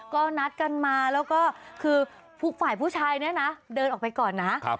ก็นัดกันมาแล้วก็คือฝ่ายผู้ชายเนี่ยนะเดินออกไปก่อนนะ